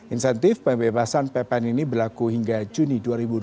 insentif pembebasan ppn ini berlaku hingga juni dua ribu dua puluh